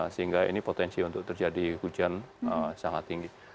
sehingga ini potensi untuk terjadi hujan sangat tinggi